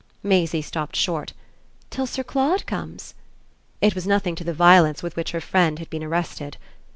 Maisie stopped short. "Till Sir Claude comes?" It was nothing to the violence with which her friend had been arrested.